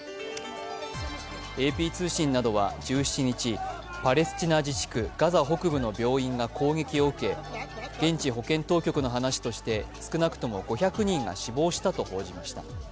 ＡＰ通信などは１７日、パレスチナ自治区ガザ北部の病院が攻撃を受け現地保健当局の話として少なくとも５００人が死亡したと報じました。